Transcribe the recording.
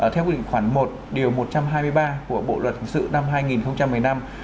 theo quy định khoảng một một trăm hai mươi ba của bộ luật hình sự năm hai nghìn một mươi năm